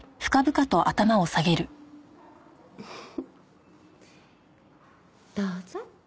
フフッどうぞ。